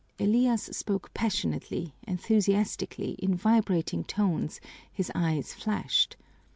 Elias spoke passionately, enthusiastically, in vibrating tones; his eyes flashed.